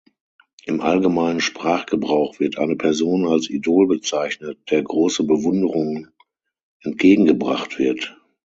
Im allgemeinen Sprachgebrauch wird eine Person als Idol bezeichnet, der große Bewunderung entgegengebracht wird.